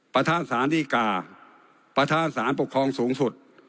ประธานศาสตร์ธิกาประธานศาสตร์ปกครองสูงสุด